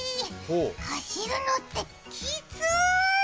走るのって、きつーい！！